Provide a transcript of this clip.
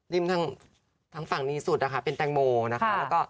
ลิ่มทางฝั่งนี้สุดเป็นแตงโมนะคะ